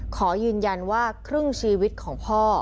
ขอยืนยันว่าครึ่งชีวิตของพ่อ